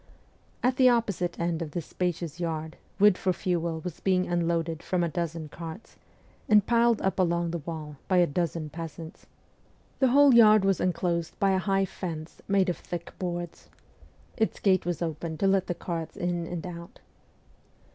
At the opposite end of this spacious yard wood for fuel was being unloaded from a dozen carts, and piled up along the wall by a dozen peasants. The whole 168 MEMOIRS OF A REVOLUTIONIST yard was inclosed by a high fence made of thick boards. Its gate was open to let the carts in and out.